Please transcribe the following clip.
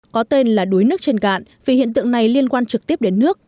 có tên là đuối nước trên cạn vì hiện tượng này liên quan trực tiếp đến nước